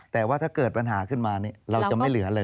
แต่ว่าถ้าเกิดปัญหาขึ้นมาเราจะไม่เหลือเลย